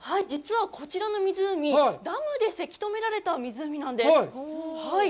実は、こちらの湖、ダムでせき止められた湖なんです。